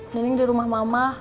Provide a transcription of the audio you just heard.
nining di rumah mama